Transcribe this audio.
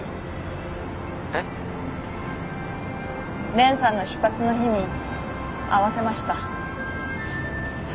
蓮さんの出発の日に合わせました。